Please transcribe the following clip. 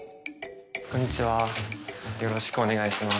こんにちはよろしくお願いします。